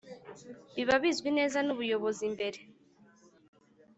Biba bizwi neza n ubuyobozi mbere